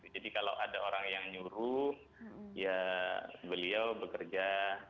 jadi kalau ada orang yang nyuruh ya beliau bekerja